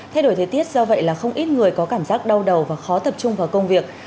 thay đổi thời tiết do vậy là không ít người có cảm giác đau đầu và khó tập trung vào công việc